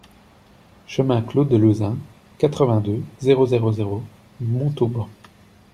Chemin Clos de Lauzin, quatre-vingt-deux, zéro zéro zéro Montauban